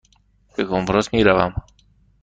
به کنفرانس می روم.